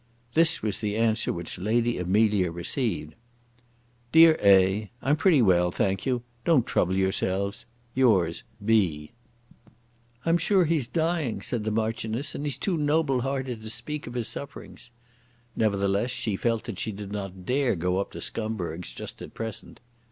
This was the answer which Lady Amelia received; "DEAR A., I'm pretty well, thank you. Don't trouble yourselves. Yours, B." "I'm sure he's dying," said the Marchioness, "and he's too noble hearted to speak of his sufferings." Nevertheless she felt that she did not dare to go up to Scumberg's just at present.